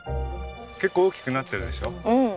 結構大きくなってるでしょ？